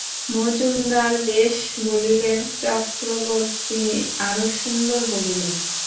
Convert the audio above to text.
মজুমদার বেশ বলিলেন, চক্রবর্তী আরও সুন্দর বলিলেন।